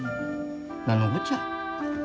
何のこっちゃ？